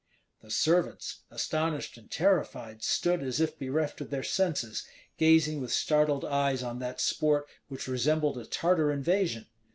The servants, astonished and terrified, stood as if bereft of their senses, gazing with startled eyes on that sport which resembled a Tartar invasion.